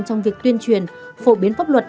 trong việc tuyên truyền phổ biến pháp luật